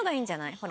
ほら。